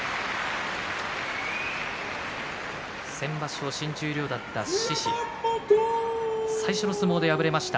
先場所、新十両だった獅司最初の相撲で敗れました。